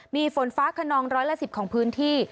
มีฝนฟ้าขนองร้อยละ๑๐ของพื้นที่